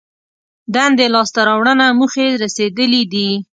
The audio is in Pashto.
دندې لاس ته راوړنه موخې رسېدلي دي.